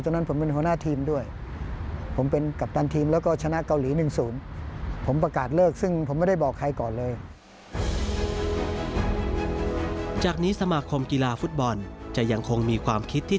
ตอนนั้นผมเป็นหัวหน้าทีมด้วยผมเป็นกัปตันทีมแล้วก็ชนะเกาหลี๑๐